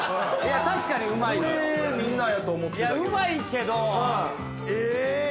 うまいけど。え！？